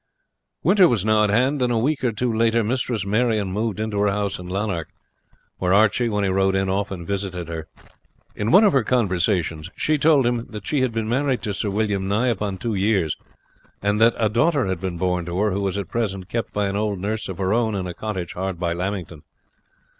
Winter was now at hand, and a week or two later Mistress Marion moved into her house in Lanark, where Archie, when he rode in, often visited her. In one of her conversations she told him that she had been married to Sir William nigh upon two years, and that a daughter had been born to her who was at present kept by an old nurse of her own in a cottage hard by Lamington.